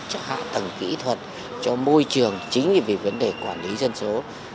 cho hạ tầng kỹ thuật cho môi trường chính vì vấn đề quản lý dân số